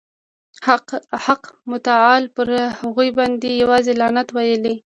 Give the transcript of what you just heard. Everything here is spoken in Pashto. حق متعال پر هغوی باندي یوازي لعنت ویلی.